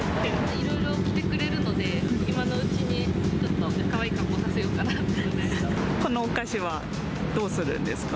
いろいろ着てくれるので、今のうちにちょっとかわいい格好させよこのお菓子はどうするんです